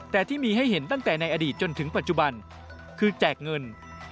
แต่ที่มีให้เห็นตั้งแต่ในอดีตจนถึงปัจจุบันคือแจกเงิน